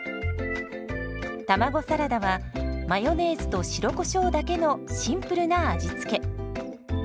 卵サラダはマヨネーズと白コショウだけのシンプルな味付け。